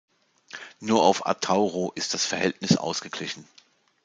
Nur auf Atauro ist das Verhältnis ausgeglichen.